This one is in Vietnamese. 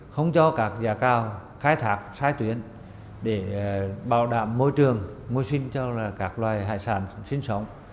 không cho các giá cao khai thác sai tuyến để bảo đảm môi trường môi sinh cho các loài hải sản sinh sống